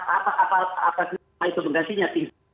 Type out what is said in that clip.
apa itu menggantinya